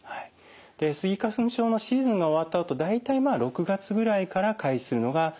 スギ花粉症のシーズンが終わったあと大体６月ぐらいから開始するのが望ましいと思います。